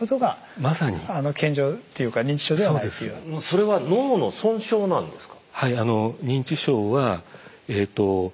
それは脳の損傷なんですか？